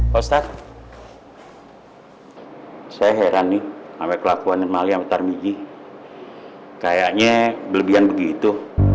postat saya heran nih ama kelakuan mali antar miji kayaknya belebihan begitu